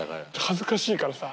恥ずかしいからさ。